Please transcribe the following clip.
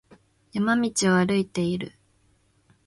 山道を歩いている。